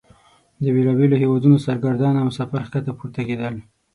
د بیلابیلو هیوادونو سرګردانه مسافر ښکته پورته کیدل.